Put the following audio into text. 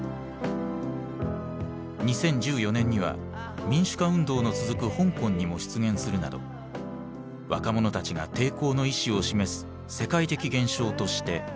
２０１４年には民主化運動の続く香港にも出現するなど若者たちが抵抗の意思を示す世界的現象として広がっていく。